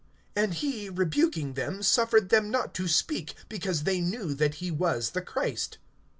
And he, rebuking them, suffered them not to speak, because they knew that he was the Christ.